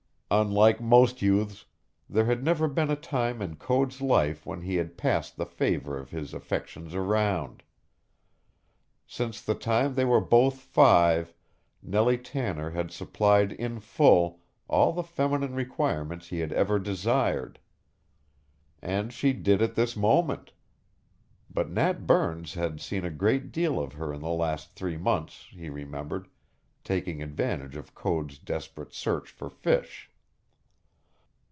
Unlike most youths, there had never been a time in Code's life when he had passed the favor of his affections around. Since the time they were both five Nellie Tanner had supplied in full all the feminine requirements he had ever desired. And she did at this moment. But Nat Burns had seen a great deal of her in the last three months, he remembered, taking advantage of Code's desperate search for fish.